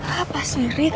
apa sih rick